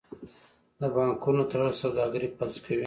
د بانکونو تړل سوداګري فلج کوي.